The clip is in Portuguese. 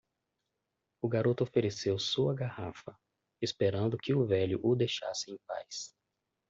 O garoto ofereceu sua garrafa, esperando que o velho o deixasse em paz.